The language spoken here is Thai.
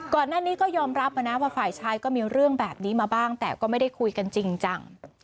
ก่อนหน้านี้ก็ยอมรับนะว่าฝ่ายชายก็มีเรื่องแบบนี้มาบ้างแต่ก็ไม่ได้คุยกันจริงจัง